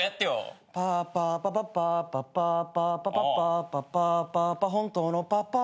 「パーパパパパーパパーパパパパーパパーパパ」「本当のパパ」